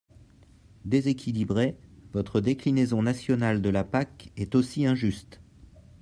Déséquilibrée, votre déclinaison nationale de la PAC est aussi injuste.